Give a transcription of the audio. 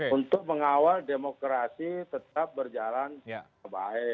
untuk mengawal demokrasi tetap berjalan baik